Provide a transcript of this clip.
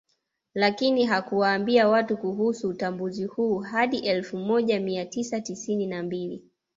Lakini hakuwaambia watu kuhusu utambuzi huu hadi elfu moja mia tisa tisini na mbili